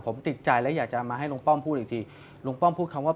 ผมติดใจและอยากจะมาให้ลุงป้อมพูดอีกทีลุงป้อมพูดคำว่า